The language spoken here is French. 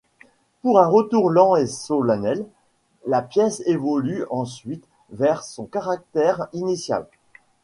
Par un retour lent et solennel, la pièce évolue ensuite vers son caractère initial.